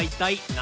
何？